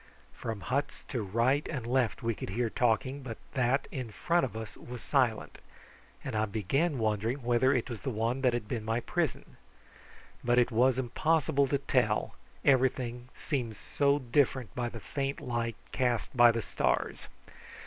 From huts to right and left we could hear talking, but that in front of us was silent, and I began wondering whether it was the one that had been my prison. But it was impossible to tell, everything seemed so different in the faint light cast by the stars.